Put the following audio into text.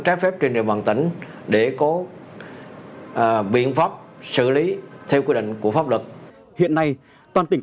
trái phép trên địa bàn tỉnh để có biện pháp xử lý theo quy định của pháp luật hiện nay toàn tỉnh